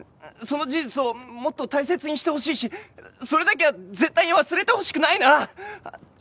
その事実をもっと大切にしてほしいしそれだけは絶対に忘れてほしくないなあ。